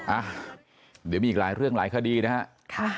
อ่ะเดี๋ยวมีอีกหลายเรื่องหลายคดีนะฮะ